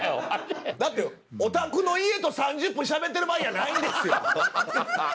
だってお宅の家と３０分しゃべってる場合やないんですよ！